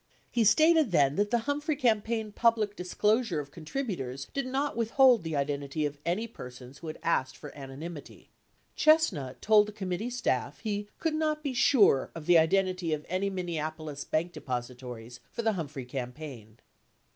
He stated then that the Humphrey campaign public disclosure of contributors did not withhold the iden tities of any persons who had asked for anonymity. 88 Chestnut told the committee staff he "coidd not be sure" of the identity of any Min neapolis bank depositories for the Humphrey campaign.